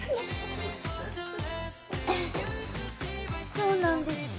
そうなんです。